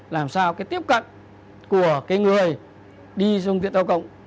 làm sao cái tiếp cận của cái người đi dung tiện cao cộng